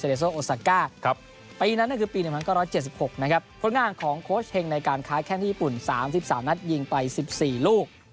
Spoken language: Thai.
หรือว่าในปัจจุบันเป็น